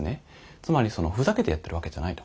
つまりふざけてやってるわけじゃないと。